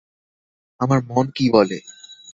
আমার মন কী বলে?